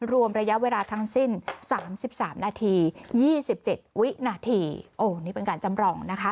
รวมระยะเวลาทั้งสิ้น๓๓นาที๒๗วินาทีโอ้นี่เป็นการจำลองนะคะ